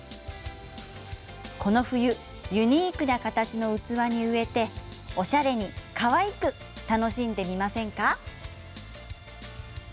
この冬ユニークな形の器に植えておしゃれに、かわいく楽しんでみませんか。